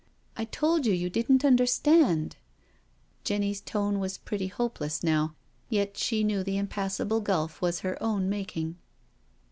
I told you you didn't understand I" Jenny's tone was pretty hopeless now, yet she knew the im passable gulf was of her own making.